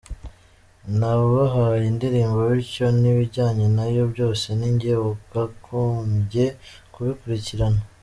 Nabahaye indirimbo bityo n’ibijyanye nayo byose ni njye wakagombye kubikurikirana”.